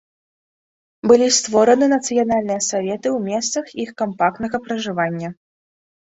Былі створаны нацыянальныя саветы ў месцах іх кампактнага пражывання.